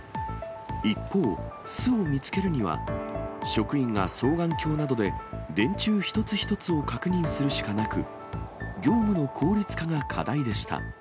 一方、巣を見つけるには、職員が双眼鏡などで電柱一つ一つを確認するしかなく、業務の効率化が課題でした。